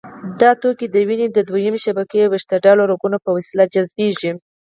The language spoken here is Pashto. دا توکي د وینې د دویمې شبکې ویښته ډوله رګونو په وسیله جذبېږي.